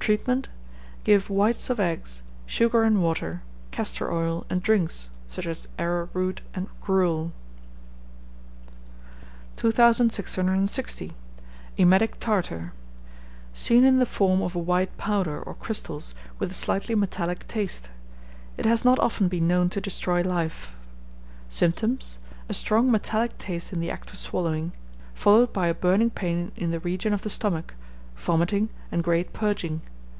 Treatment. Give whites of eggs, sugar and water, castor oil, and drinks, such as arrowroot and gruel. 2660. Emetic Tartar. Seen in the form of a white powder, or crystals, with a slightly metallic taste. It has not often been known to destroy life. Symptoms. A strong metallic taste in the act of swallowing, followed by a burning pain in the region of the stomach, vomiting, and great purging.